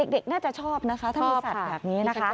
เด็กน่าจะชอบนะคะถ้าบริษัทแบบนี้นะคะ